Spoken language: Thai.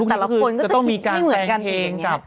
แต่ละคนก็จะคิดไม่เหมือนกันเอง